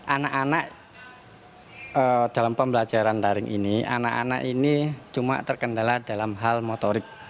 anak anak dalam pembelajaran daring ini anak anak ini cuma terkendala dalam hal motorik